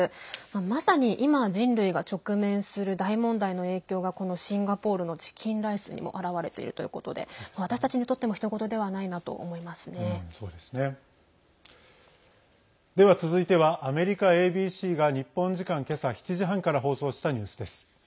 まさに今、人類が直面する大問題の影響がこのシンガポールのチキンライスにも表れているということで私たちにとってもでは続いてはアメリカＡＢＣが日本時間けさ７時半から放送したニュースです。